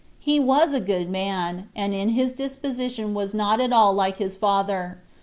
He was a good man, 17 and in his disposition was not at all like his father.